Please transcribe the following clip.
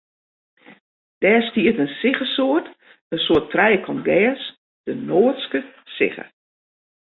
Dêr stiet in siggesoart, in soart trijekant gers, de noardske sigge.